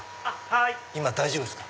今大丈夫っすか？